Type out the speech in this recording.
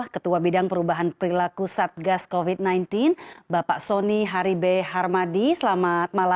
ketua bidang perubahan perilaku satgas covid sembilan belas bapak soni haribe harmadi selamat malam